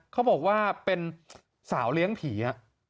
เขาบอกว่าเป็นสาวเลี้ยงผี